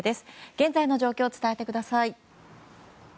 現在の状況を伝えてください。